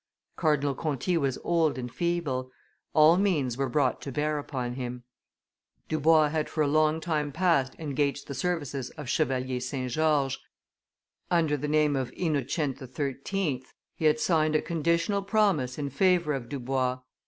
Cardinal Conti was old and feeble; all means were brought to bear upon him. Dubois had for a long time past engaged the services of Chevalier St. George; when the new pope was proclaimed, under the name of Innocent XIII., he had signed a conditional promise in favor of Dubois.